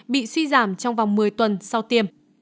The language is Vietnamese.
bị suy giảm trong vòng một mươi tuần sau tiêm